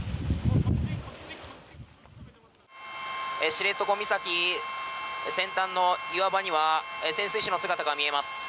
知床岬先端の岩場には潜水士の姿が見えます。